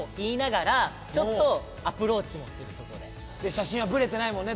写真はぶれてないもんね